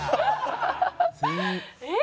えっ？